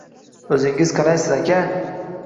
O‘zingiz qalaysiz, aka